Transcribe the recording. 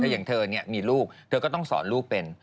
อย่างเธอมีลูกเธอก็ต้องสอนลูกเป็น